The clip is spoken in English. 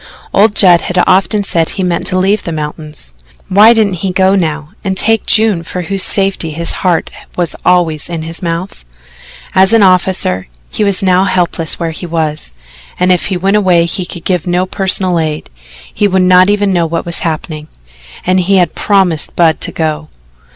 Old Judd had often said he meant to leave the mountains why didn't he go now and take June for whose safety his heart was always in his mouth? As an officer, he was now helpless where he was; and if he went away he could give no personal aid he would not even know what was happening and he had promised Budd to go.